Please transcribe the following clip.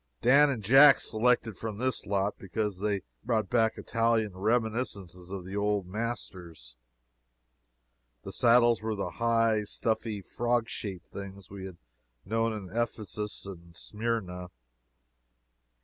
Dan and Jack selected from this lot because they brought back Italian reminiscences of the "old masters." The saddles were the high, stuffy, frog shaped things we had known in Ephesus and Smyrna.